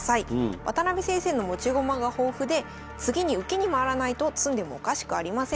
渡辺先生の持ち駒が豊富で次に受けに回らないと詰んでもおかしくありません。